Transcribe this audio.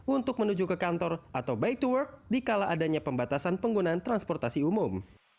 untuk menuju ke kantor atau bayi tuwak di kala adanya pembatasan penggunaan transportasi umum